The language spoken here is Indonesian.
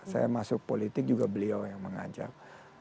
saya masuk politik juga beliau yang mengajak